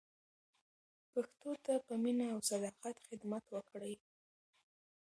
پښتو ته په مینه او صداقت خدمت وکړئ.